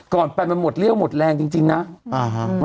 ก่อนไปมันหมดเรี่ยวหมดแรงจริงจริงนะอ่าฮะ